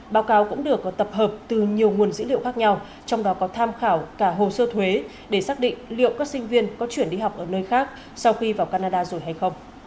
báo cáo cũng được tập hợp từ nhiều nguồn dữ liệu khác nhau trong đó có tham khảo cả hồ sơ thuế để xác định liệu các sinh viên có chuyển đi học ở nơi khác sau khi vào canada rồi hay không